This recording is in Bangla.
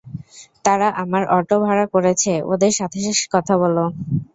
তারা আমার অটো ভাড়া করেছে ওদের সাথে কথা বলো।